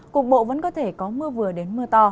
cục bộ vẫn có thể có mưa vừa đến mưa to